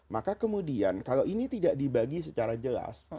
maka kemudian kalau ini tidak dibagi secara jelas